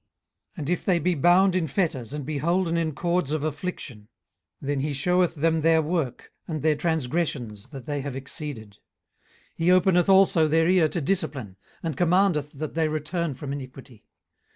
18:036:008 And if they be bound in fetters, and be holden in cords of affliction; 18:036:009 Then he sheweth them their work, and their transgressions that they have exceeded. 18:036:010 He openeth also their ear to discipline, and commandeth that they return from iniquity.